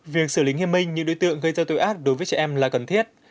việc xử lý nghiêm minh những đối tượng gây ra tội ác đối với trẻ em là cần thiết